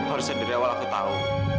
harusnya dari awal aku tahu